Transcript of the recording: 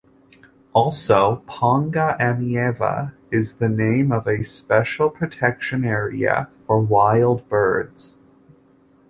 Also, "Ponga-Amieva" is the name of a Special Protection Area for wild birds.